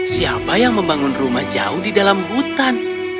siapa yang membangun rumah jauh di dalam hutan